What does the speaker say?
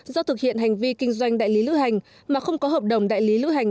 do thực hiện hành vi kinh doanh đại lý lữ hành mà không có hợp đồng đại lý lữ hành